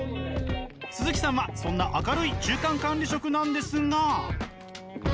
鈴木さんはそんな明るい中間管理職なんですが。